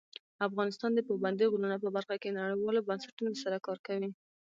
افغانستان د پابندی غرونه په برخه کې نړیوالو بنسټونو سره کار کوي.